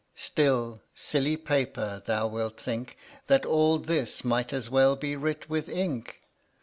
Still, silly paper, thou wilt think That all this might as well be writ with ink.